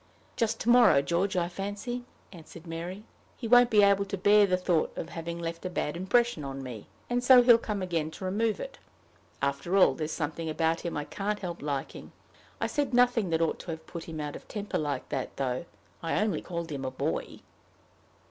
"Just to morrow, George, I fancy," answered Mary. "He won't be able to bear the thought of having left a bad impression on me, and so he'll come again to remove it. After all, there's something about him I can't help liking. I said nothing that ought to have put him out of temper like that, though; I only called him a boy."